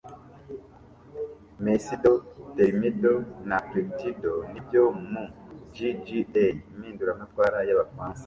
Messidor, Thermidor na Fructidor nibyo mu (JJA) Impinduramatwara y'Abafaransa